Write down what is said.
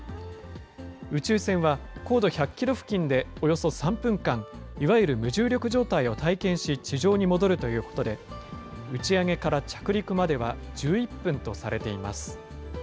宇宙船は高度１００キロ付近でおよそ３分間、いわゆる無重力状態を体験し、地上に戻るということで、打ち上げから着陸までは１１分とされています。